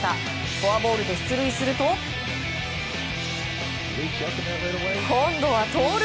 フォアボールで出塁すると今度は盗塁！